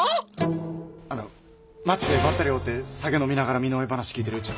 あの町でばったり会うて酒飲みながら身の上話聞いてるうちに。